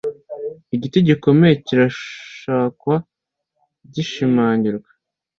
igiti gikomeye kirashakwa gishimangirwa